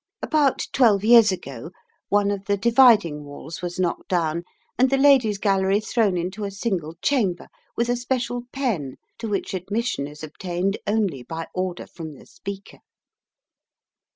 About twelve years ago one of the dividing walls was knocked down, and the Ladies' Gallery thrown into a single chamber, with a special pen to which admission is obtained only by order from the Speaker.